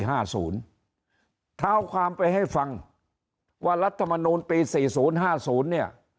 ถ้าเอาความไปให้ฟังว่ารัฐมานูล๔๐๕๐เนี่ย